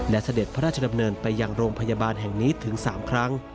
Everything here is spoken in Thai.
และเสด็จพระราชดำเนินไปยังโรงพยาบาลแห่งนี้ถึง๓ครั้ง